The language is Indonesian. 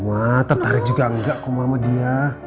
maaf tertarik juga enggak aku mama dia